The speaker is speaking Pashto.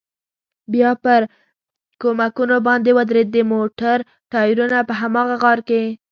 بیا پر کومکونو باندې ودرېد، د موټر ټایرونه په هماغه غار کې.